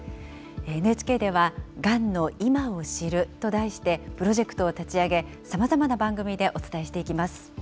ＮＨＫでは、がんのいまを知ると題して、プロジェクトを立ち上げ、さまざまな番組でお伝えしていきます。